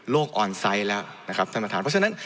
ออนไซต์แล้วนะครับท่านประธานเพราะฉะนั้น